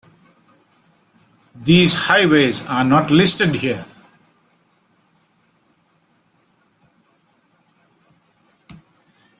These highways are not listed here.